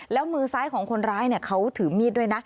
แล้วมือซ้ายของคนร้ายเขาถือมีดด้วยนะ